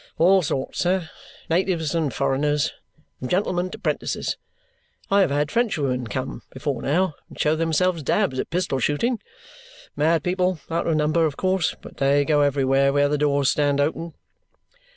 "All sorts, sir. Natives and foreigners. From gentlemen to 'prentices. I have had Frenchwomen come, before now, and show themselves dabs at pistol shooting. Mad people out of number, of course, but THEY go everywhere where the doors stand open."